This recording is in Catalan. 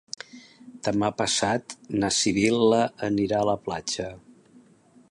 Demà passat na Sibil·la anirà a la platja.